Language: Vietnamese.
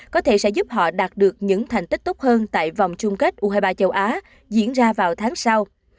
có thể sẽ giúp họ đạt được những thành tích tốt hơn tại vòng chung kết u hai mươi ba châu á diễn ra vào tháng sau